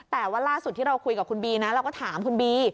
แต่ว่าล่าสุดที่เราคุยกับคุณบีนะเราก็ถามคุณบี